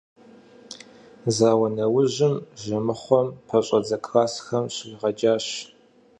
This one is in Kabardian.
Зауэ нэужьым Жэмыхъуэм пэщӏэдзэ классхэм щригъэджащ.